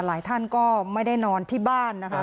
หลายท่านก็ไม่ได้นอนที่บ้านนะคะ